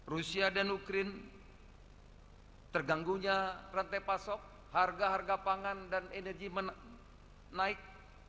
rusia dan ukraine terganggunya rantai pasok harga harga pangan dan energi naik